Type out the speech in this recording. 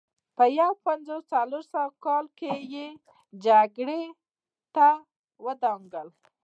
په یو پنځوس او څلور سوه کال کې یې جګړې ته ودانګل